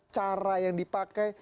cara yang dipakai